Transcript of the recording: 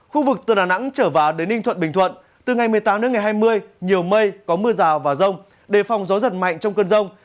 khu vực từ đà nẵng trở vào đến ninh thuận bình thuận từ ngày một mươi tám đến ngày hai mươi nhiều mây có mưa rào và rông đề phòng gió giật mạnh trong cơn rông